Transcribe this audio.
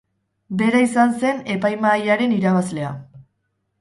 Bera izan zen epaimahaiaren irabazlea.